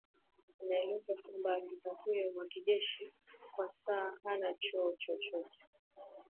inaelezwa kwamba afisa huyo wa kijeshi kwa sasa hana chuo chochote